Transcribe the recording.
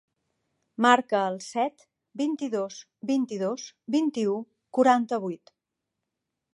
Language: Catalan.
Marca el set, vint-i-dos, vint-i-dos, vint-i-u, quaranta-vuit.